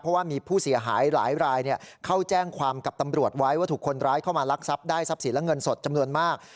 เพราะว่ามีผู้เสียหายหลายรายเข้าแจ้งความกับตำรวจไว้ว่าถูกคนร้ายเข้ามาลักทรัพย์ได้ทรัพย์สินและเงินสดจำนวนมาก